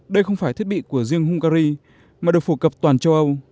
đây không phải thiết bị của riêng hungary mà được phổ cập toàn châu âu